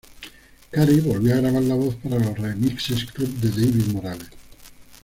Carey volvió a grabar la voz para los remixes Club de David Morales.